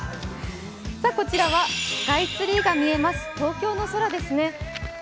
こちらは、スカイツリーが見えます、東京の空ですね。